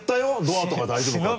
ドアとか大丈夫か？